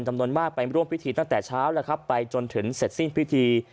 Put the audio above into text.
จำนวนมากไปร่วมพิธีตั้งแต่เช้าแล้วครับไปจนถึงเสร็จสิ้นพิธี